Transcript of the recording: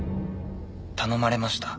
頼まれました。